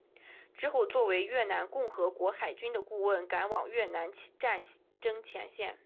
之后作为越南共和国海军的顾问赶往越南战争前线。